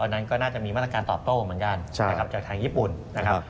นั้นก็น่าจะมีมาตรการตอบโต้เหมือนกันนะครับจากทางญี่ปุ่นนะครับ